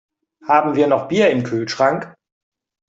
Haben wir noch Bier im Kühlschrank?